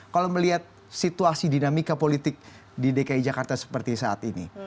kalau melihat situasi dinamika politik di dki jakarta seperti saat ini